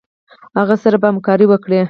هغه سره به همکاري وکړي.